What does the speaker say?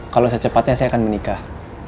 kalau secepatnya saya akan menikah